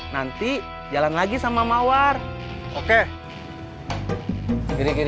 nanti jalan lagi sama mawar nanti jalan lagi sama mawar